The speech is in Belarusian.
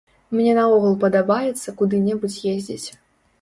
Мне наогул падабаецца куды-небудзь ездзіць.